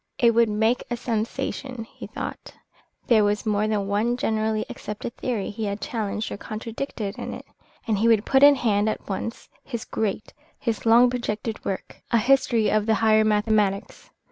It would make a sensation, he thought; there was more than one generally accepted theory he had challenged or contradicted in it. And he would put in hand at once his great, his long projected work, "A History of the Higher Mathematics."